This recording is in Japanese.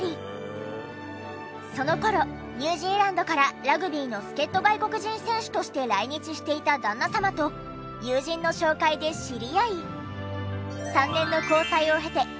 その頃ニュージーランドからラグビーの助っ人外国人選手として来日していた旦那様と友人の紹介で知り合い。